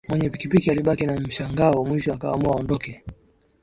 Mwenye pikipiki alibaki na mshangao mwisho akaamua aondoke